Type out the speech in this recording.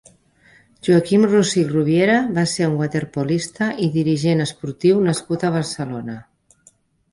Joaquim Rosich Rubiera va ser un waterpolista i dirigent esportiu nascut a Barcelona.